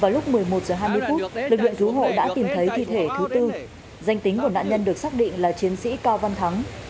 lực lượng cứu hộ đã tìm thấy thi thể thứ tư danh tính của nạn nhân được xác định là chiến sĩ cao văn thắng